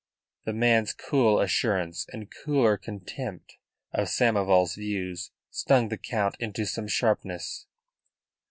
The man's cool assurance and cooler contempt of Samoval's views stung the Count into some sharpness.